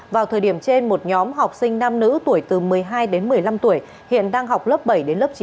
vào thời điểm trên một nhóm học sinh nam nữ tuổi từ một mươi hai đến một mươi năm tuổi hiện đang học lớp bảy đến lớp chín